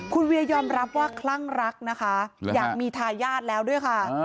คุณเวียยอมรับว่าคลั่งรักนะคะอยากมีทายาทแล้วด้วยค่ะ